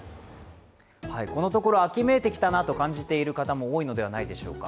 このところ秋めいてきたなと感じている方も多いのではないでしょうか。